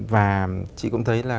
và chị cũng thấy là